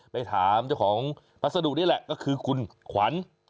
ไปถามเจ้าของพัสดุนี่แหละก็คือคุณขวัญ